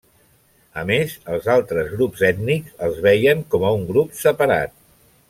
A més els altres grups ètnics els veien com un grup separat.